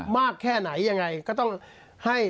มากแค่ไหนยังไงก็ต้องให้